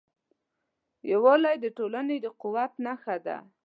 یووالی د ټولنې د قوت نښه ده.